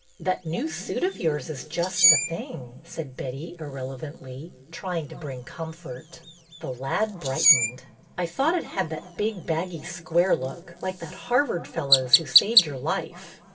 '' That new suit of yours is just the thing," said Betty, irrelevantly, trying to bring comfort. The lad brightened. I thought it had that big, baggy, square look, like that Harvard fellow's who saved your life."